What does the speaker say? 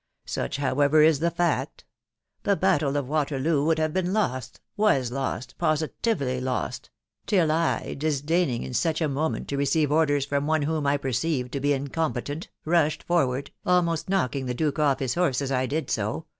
... Such, however, is the fact. The battle of Waterloo would have been lost, — was lost, positively lost, — till I disdaining in such a moment to receive orders from one whom I perceived to be incompetent, rushed forward, almost knocking the Duke off his horse as I did so